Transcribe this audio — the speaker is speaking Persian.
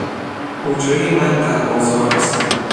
حجرۀ من در بازاراست